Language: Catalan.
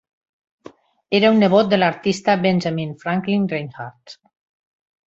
Era un nebot de l"artista Benjamin Franklin Reinhart.